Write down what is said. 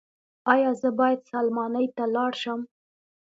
ایا زه باید سلماني ته لاړ شم؟